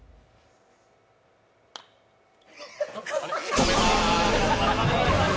止めまーす。